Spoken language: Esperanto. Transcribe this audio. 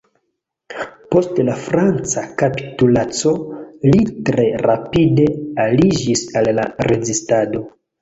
Post la franca kapitulaco, li tre rapide aliĝis al la rezistado.